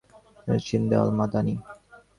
মুহাম্মদ ইবনে আবি মাশার আস-সিন্দি আল-মাদানি